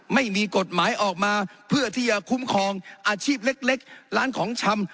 ไม่มีกฎหมายออกมาเพื่อที่จะคุ้มครองอาชีพเล็กร้านของชำ